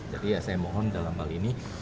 jadi ya saya mohon dalam hal ini